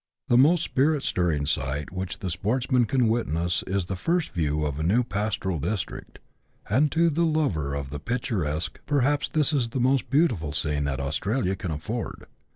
The most spirit stirring sight which the sportsman can witness is the first view of a new pastoral district ; and to the lover of the picturesque perhaps this is the most beautiful scene that Australia can afford.